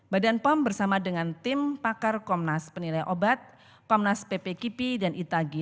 badan pom bersama dengan tim pakar komnas penilai obat komnas pp kipi dan itagi